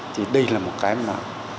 thì đây là một cái mà